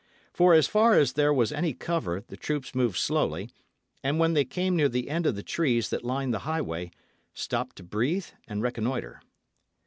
For as far as there was any cover the troops moved slowly, and when they came near the end of the trees that lined the highway, stopped to breathe and reconnoitre.